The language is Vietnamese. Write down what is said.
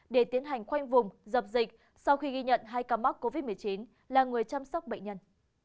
để tiến hành khoanh vùng dập dịch sau khi ghi nhận hai ca mắc covid một mươi chín là người chăm sóc bệnh nhân